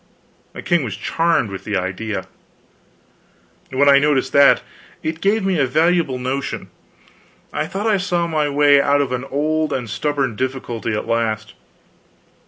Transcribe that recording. The king was charmed with the idea. When I noticed that, it gave me a valuable notion. I thought I saw my way out of an old and stubborn difficulty at last.